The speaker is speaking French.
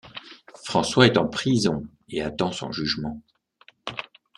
François est en prison et attend son jugement.